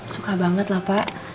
suka banget lah pak